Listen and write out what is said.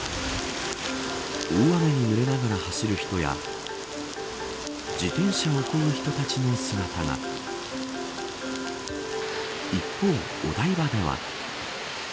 大雨にぬれながら走る人や自転車をこぐ人たちの姿が一方、お台場では。